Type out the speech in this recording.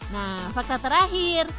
nah fakta terakhir